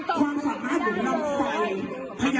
พี่สิทธิ์แบบนี้